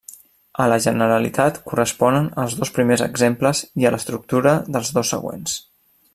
A la generalitat corresponen els dos primers exemples i a l'estructura dels dos següents.